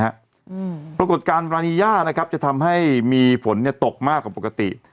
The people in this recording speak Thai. ปรากฏการณ์รานีย่านะครับจะทำให้มีฝนเนี้ยตกมากกว่าปกติ